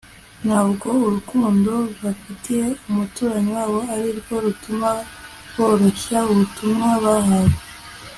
Ntabwo urukundo bafitiye umuturanyi wabo ari rwo rutuma boroshya ubutumwa bahawe